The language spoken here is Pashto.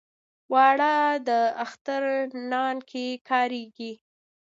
اوړه د اختر نان کې کارېږي